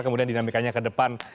kemudian dinamikanya ke depan